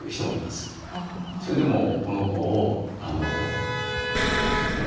それでもこの子を何て言うんですかね